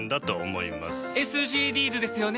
ＳＧＤｓですよね。